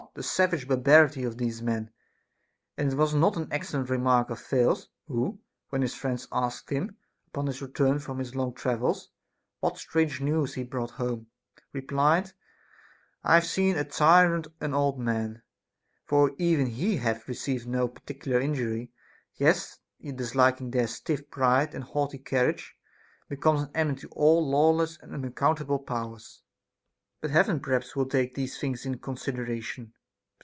The savage barbarity of these men ! And was it not an excellent remark of Thales, who, when his friends asked him, upon his return from his long travels, what strange news he brought home, replied, " I have seen a tyrant an old man." For even he that hath received no particular injury, yet disliking their stiff pride and haughty carriage, becomes an enemy to all lawless and unaccount able powers. But Heaven perhaps will take these tilings into consideration.